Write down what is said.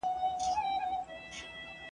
دوهمه نکته داده.